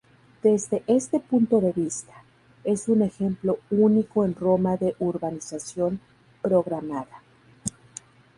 Desde este punto de vista, es un ejemplo único en Roma de urbanización programada.